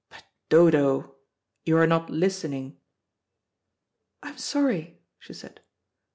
"But, Dodo, you are not listening." "I'm sorry," she said.